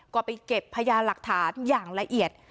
ก็ไปเก็บพยานหลักฐานอย่างละเอียด